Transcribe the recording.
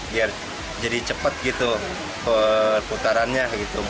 biar jadi cepat gitu putarannya